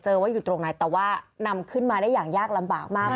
ว่าอยู่ตรงไหนแต่ว่านำขึ้นมาได้อย่างยากลำบากมาก